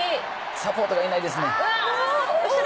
サポートほしいですね。